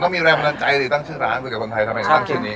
ต้องมีแรงบันดาลใจดีตั้งชื่อร้านก๋วยเตี๋ยวคนไทยทำไมตั้งชื่อนี้